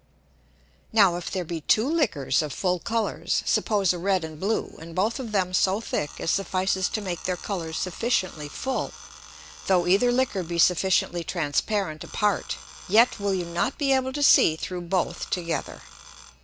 Now, if there be two Liquors of full Colours, suppose a red and blue, and both of them so thick as suffices to make their Colours sufficiently full; though either Liquor be sufficiently transparent apart, yet will you not be able to see through both together.